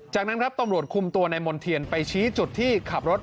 จากนั้นครับตำรวจคุมตัวในมณ์เทียนไปชี้จุดที่ขับรถ